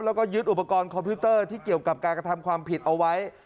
แล้วก็ยึดอุปกรณ์คอมพิวเตอร์ที่เกี่ยวกับการกระทำความผิดเอาไว้